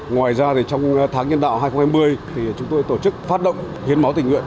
ngoài ra trong tháng nhân đạo hai nghìn hai mươi thì chúng tôi tổ chức phát động hiến máu tình nguyện